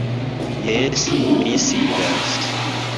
Jes, mi sidas.